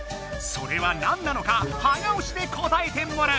それは何なのか早おしで答えてもらう！